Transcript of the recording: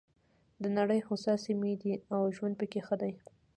د نړۍ هوسا سیمې دي او ژوند پکې ښه دی.